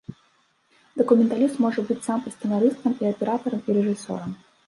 Дакументаліст можа быць сам і сцэнарыстам, і аператарам, і рэжысёрам.